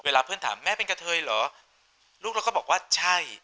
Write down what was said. เพื่อนถามแม่เป็นกะเทยเหรอลูกเราก็บอกว่าใช่